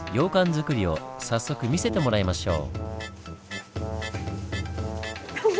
づくりを早速見せてもらいましょう。